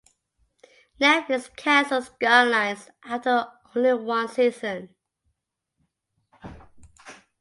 Netflix canceled "Skylines" after only one season.